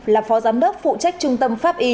là phó giám đốc phụ trách trung tâm pháp y